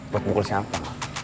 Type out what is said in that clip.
buat bukul siapa